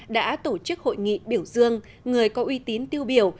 đã tổ chức hội nghị biểu dương người có uy tín tiêu biểu